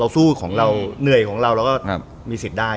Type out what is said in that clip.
สู้เหนื่อยเราก็มีสิทธิ์ได้